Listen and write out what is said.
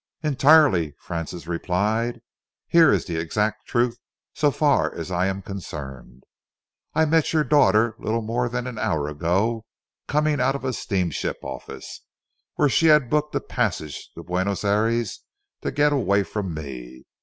"Entirely," Francis replied. "Here is the exact truth, so far as I am concerned. I met your daughter little more than an hour ago, coming out of a steamship office, where she had booked a passage to Buenos Ayres to get away from me.